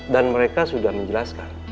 dan mereka sudah menjelaskan